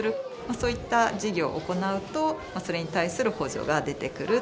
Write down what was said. そういった事業を行うと、それに対する補助が出てくる。